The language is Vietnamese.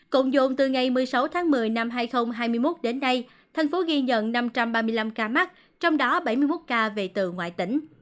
cộng dồn từ ngày một mươi sáu tháng một mươi năm hai nghìn hai mươi một đến nay thành phố ghi nhận năm trăm ba mươi năm ca mắc trong đó bảy mươi một ca về từ ngoại tỉnh